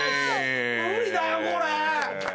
無理だよこれ。